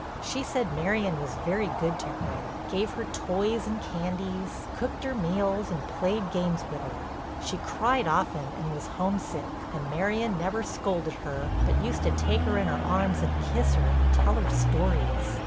She said Marion was very good to her, gave her toys and candies, cooked her meals and played games with her. She cried often and was homesick, and Marion never scolded her but used to take her in her arms and kiss her and tell her stories.